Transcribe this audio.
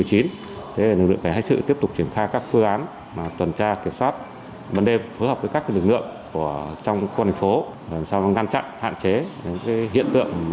thế là lực lượng phải hãy sự tiếp tục triển khai các phương án tuần tra kiểm soát bận đêm phối hợp với các lực lượng trong quân hình phố